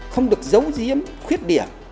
không được giấu giếm khuyết điểm